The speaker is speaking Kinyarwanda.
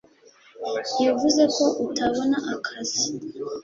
ntibivuze ko utabona akazi